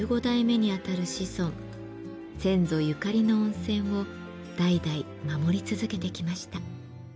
先祖ゆかりの温泉を代々守り続けてきました。